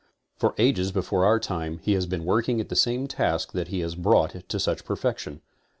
For ages before our time he has been working at the same task that he has brought to such perfection.